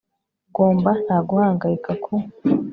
ugomba nta guhangayika ku